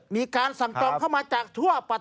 มีการสั่งจองเข้ามาจากทั่วประเทศ